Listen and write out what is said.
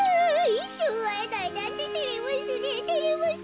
いっしょうあえないなんててれますねえてれますねえ。